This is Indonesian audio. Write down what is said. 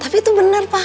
tapi itu bener pak